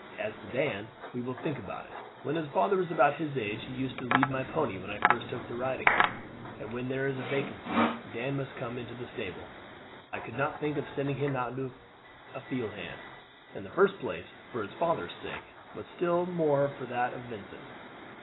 As to Dan, we will think about it. When his father was about his age he used to lead my pony when I first took to riding, and when there is a vacancy Dan must come into the stable. I could not think of sending him out as a field hand, in the first place for his father's sake, but still more for that of Vincent.